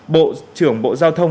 bộ trưởng bộ giao thông